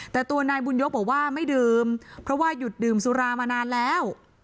แต่ตัวนายบุญยกบอกว่าไม่ดื่มเพราะว่าหยุดดื่มสุรามานานแล้ว